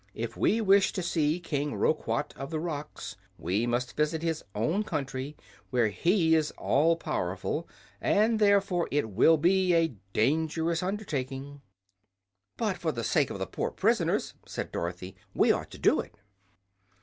If we wish to see King Roquat of the Rocks, we must visit his own country, where he is all powerful, and therefore it will be a dangerous undertaking." "But, for the sake of the poor prisoners," said Dorothy, "we ought to do it."